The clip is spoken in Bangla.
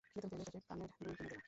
বেতন পেলেই তোকে কানের দুল কিনে দেবো।